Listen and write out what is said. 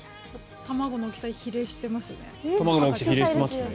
卵の大きさに比例してますよね。